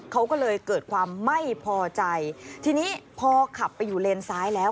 เขาก็เลยเกิดความไม่พอใจทีนี้พอขับไปอยู่เลนซ้ายแล้ว